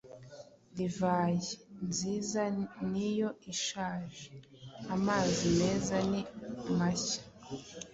Divayi nziza niyo ishaje, amazi meza ni mashya.